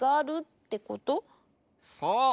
そう。